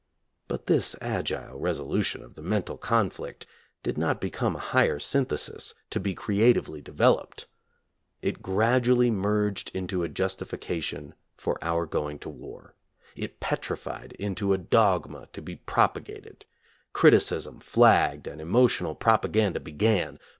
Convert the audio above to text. But this agile resolution of the mental conflict did not become a higher synthesis, to be creatively developed. It gradually merged into a justifica tion for our going to war. It petrified into a dogma to be propagated. Criticism flagged and emotional propaganda began.